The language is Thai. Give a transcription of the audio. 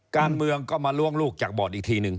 การเมืองก็มาล้วงลูกจากบอร์ดอีกทีนึง